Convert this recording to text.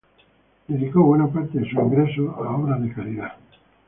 Dedicó buena parte de sus ingresos a obras de caridad.